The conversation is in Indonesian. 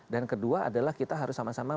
dan kedua adalah kita harus sama sama